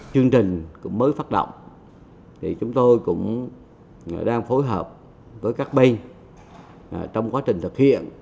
chương trình mới phát động chúng tôi cũng đang phối hợp với các bên trong quá trình thực hiện